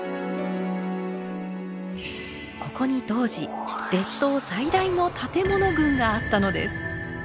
ここに当時列島最大の建物群があったのです。